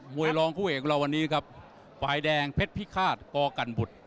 วยรองคู่เอกของเราวันนี้ครับฝ่ายแดงเพชรพิฆาตกกันบุตร